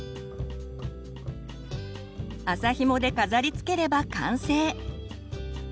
麻ひもで飾りつければ完成！